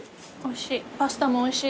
おいしい。